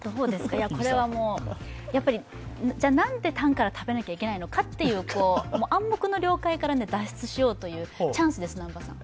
これはもう、やっぱり何でタンから食べなきゃいけないのかという暗黙の了解から脱出しようというチャンスです